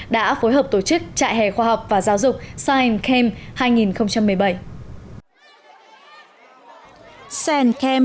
đã phối hợp tổ chức trại hè khoa học và giáo dục science camp hai nghìn một mươi bảy